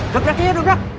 gak berarti ya donkak